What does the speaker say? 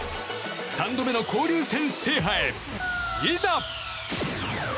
３度目の交流戦制覇へ、いざ。